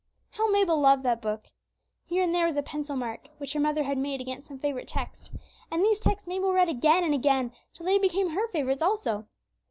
How Mabel loved that book! Here and there was a pencil mark, which her mother had made against some favorite text, and these texts Mabel read again and again, till they became her favorites also.